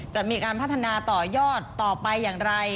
จะมีการพัฒนาต่อยอดต่อไปอย่างไร